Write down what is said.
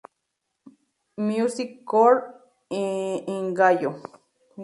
Music Core" y "Inkigayo".